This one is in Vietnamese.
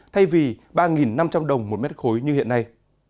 thay vì ba năm trăm linh đồng một mét khối như hiện nay